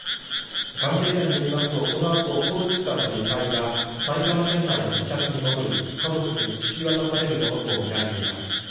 関係者によりますと、このあと小槌さんの遺体は、埼玉県内の自宅に戻り、家族に引き渡されるものと見られています。